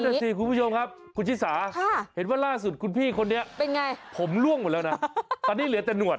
นั่นสิคุณผู้ชมครับคุณชิสาเห็นว่าล่าสุดคุณพี่คนนี้เป็นไงผมล่วงหมดแล้วนะตอนนี้เหลือแต่หนวด